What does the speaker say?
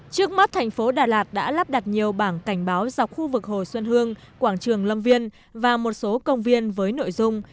trước mắt thành phố đà lạt đã lắp đặt nhiều bảng cảnh báo dọc khu vực hồ xuân hương quảng trường lâm viên và một số công viên với nội dung